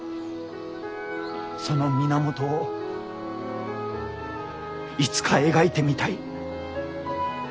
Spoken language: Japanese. その源をいつか描いてみたい。